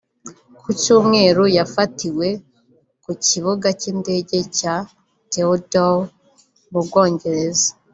Ku Cyumweru yafatiwe ku kibuga cy’indege cya Heathrow mu Bwongereza